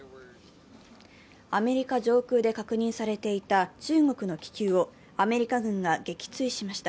アメリカ上空で確認されていた中国の気球をアメリカ軍が撃墜しました。